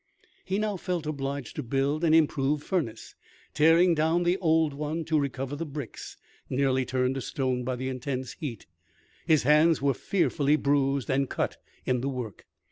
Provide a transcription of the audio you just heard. He now felt obliged to build an improved furnace, tearing down the old one to recover the bricks, nearly turned to stone by the intense heat. His hands were fearfully bruised and cut in the work.